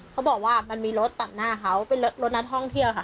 เขาบอกว่ามันมีรถตัดหน้าเขาเป็นรถนักท่องเที่ยวค่ะ